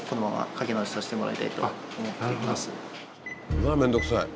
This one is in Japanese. うわ面倒くさい。